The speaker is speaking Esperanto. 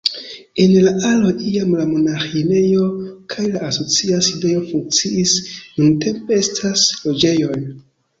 En la aloj iam la monaĥinejo kaj la asocia sidejo funkciis, nuntempe estas loĝejoj.